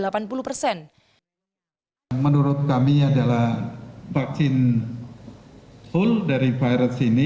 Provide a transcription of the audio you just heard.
menurut kami adalah vaksin full dari virus ini